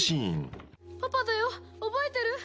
「パパだよ覚えてる？